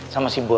sama si bapak